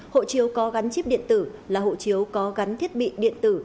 hộ chiếu có gắn chip điện tử là hộ chiếu có gắn thiết bị điện tử